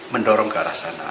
mendorong ke arah sana